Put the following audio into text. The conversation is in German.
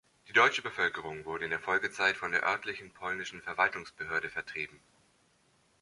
Die deutsche Bevölkerung wurde in der Folgezeit von der örtlichen polnischen Verwaltungsbehörde vertrieben.